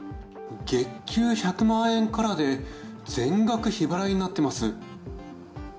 月給１００万円からで、全額日払いになってます。